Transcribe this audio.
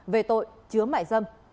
về tội chứa mại dâm